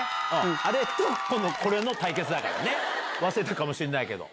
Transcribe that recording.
あれと今度これの対決だからね忘れたかもしれないけど。